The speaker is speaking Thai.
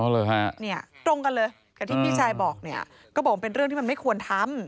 เลยฮะเนี่ยตรงกันเลยกับที่พี่ชายบอกเนี่ยก็บอกว่าเป็นเรื่องที่มันไม่ควรทำ